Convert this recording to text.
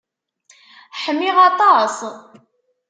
Ḥmiɣ aṭas.